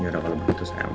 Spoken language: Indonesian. gak ada kalau begitu sayang